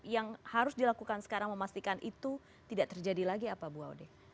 yang harus dilakukan sekarang memastikan itu tidak terjadi lagi apa bu audi